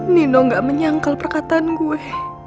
nino gak menyangkal perkataan gue